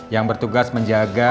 yang bertugas menjaga